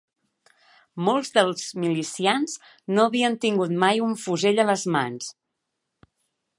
Molts dels milicians no havien tingut mai un fusell a les mans